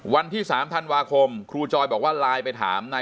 วันที่๓ธันวาคมครูจอยบอกว่าไลน์ไปถามนาย